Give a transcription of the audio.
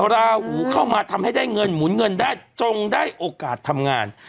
ราหูเข้ามาทำให้ได้เงินหมุนเงินได้จงได้โอกาสทำงาน